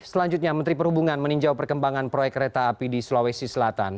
selanjutnya menteri perhubungan meninjau perkembangan proyek kereta api di sulawesi selatan